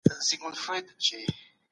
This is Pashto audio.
منځنۍ پېړۍ د شوالیو او جنګیالیو وخت و.